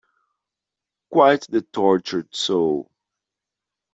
Quite the tortured soul.